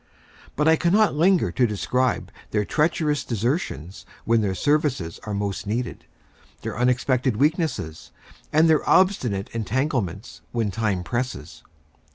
But I cannot linger to describe their treacherous desertions when their services are most needed, their unexpected weakness, and their obstinate entanglements when time presses.